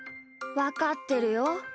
わかってるよ。